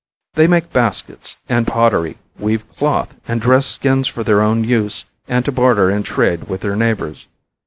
They make baskets and pottery, weave cloth and dress skins for their own use and to barter in trade with their neighbors.